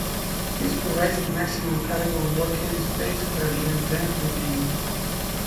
This provides the maximum cargo or working space for a given length and beam.